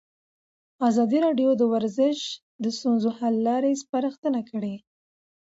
ازادي راډیو د ورزش د ستونزو حل لارې سپارښتنې کړي.